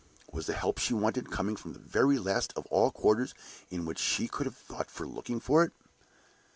Was the help she wanted coming from the very last of all quarters in which she could have thought of looking for it?